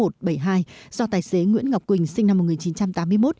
chín sáu một bảy hai do tài xế nguyễn ngọc quỳnh sinh năm một nghìn chín trăm tám mươi một